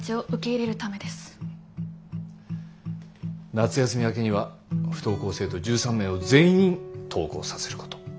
夏休み明けには不登校生徒１３名を全員登校させること。